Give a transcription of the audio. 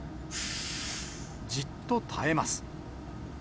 じっと耐えます。